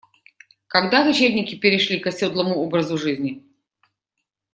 Когда кочевники перешли к оседлому образу жизни?